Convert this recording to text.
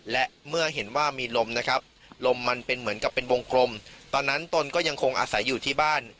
และเมื่อเห็นว่ามีลมนะครับลมมันเป็นเหมือนกับเป็นวงกลมตอนนั้นตนก็ยังคงอาศัยอยู่ที่บ้าน